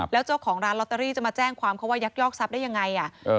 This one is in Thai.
แล้วเจ้าของร้านลอตเตอรี่จะมาแจ้งความเขาว่ายักยอกทรัพย์ได้ยังไง